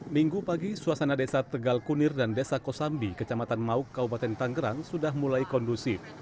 minggu pagi suasana desa tegal kunir dan desa kosambi kecamatan mauk kabupaten tanggerang sudah mulai kondusif